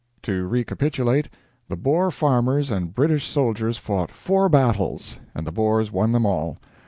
To recapitulate: The Boer farmers and British soldiers fought 4 battles, and the Boers won them all.